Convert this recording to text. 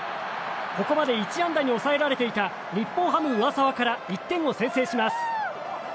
ここまで１安打に抑えられていた日本ハム、上沢から１点を先制します。